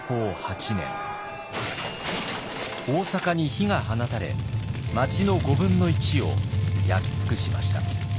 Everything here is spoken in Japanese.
大坂に火が放たれ町の５分の１を焼き尽くしました。